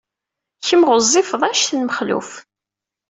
Kemm ɣezzifeḍ anect n Mexluf.